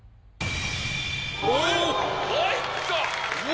⁉入った！